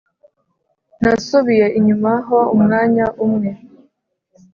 Nasubiye inyuma ho umwanya umwe